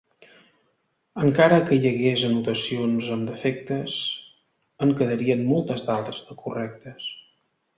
Encara que hi hagués anotacions amb defectes, en quedarien moltes d'altres de correctes.